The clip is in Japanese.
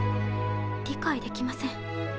理解できません。